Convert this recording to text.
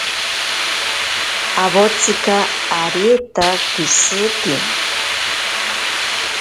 Awotsika areta keshiki.